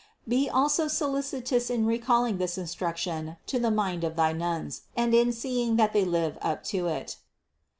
Be also solicitous in recalling this instruction to the mind of thy nuns and in seeing that they live up to it.